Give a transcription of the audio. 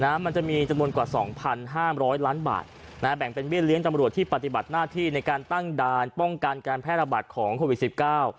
มันจะมีจำนวนกว่า๒๕๐๐ล้านบาทแบ่งเป็นเบี้ยเลี้ยงตำรวจที่ปฏิบัติหน้าที่ในการตั้งด่านป้องกันการแพทย์ระบาดของโควิด๑๙